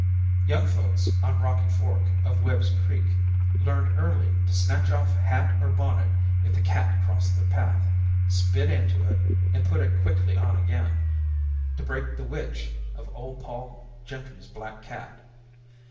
Young folks on Rocky Fork of Webb's Creek learned early to snatch off hat or bonnet if the cat crossed their path, spit into it, and put it quickly on again to break the witch of old Pol Gentry's black cat.